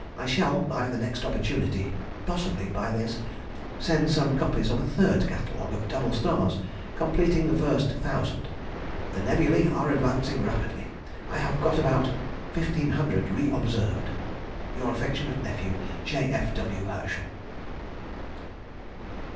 I shall by the next opportunity (possibly by this) send some copies of a third catalogue of double stars, completing the first 1,000. The nebulæ are advancing rapidly; I have got about 1,500 re observed. Your affectionate nephew, J. F. W. HERSCHEL.